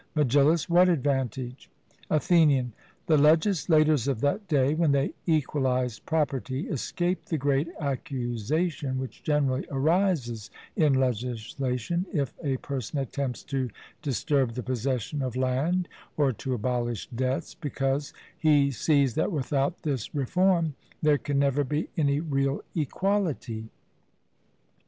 MEGILLUS: What advantage? ATHENIAN: The legislators of that day, when they equalized property, escaped the great accusation which generally arises in legislation, if a person attempts to disturb the possession of land, or to abolish debts, because he sees that without this reform there can never be any real equality.